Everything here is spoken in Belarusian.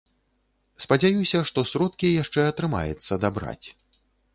Спадзяюся, што сродкі яшчэ атрымаецца дабраць.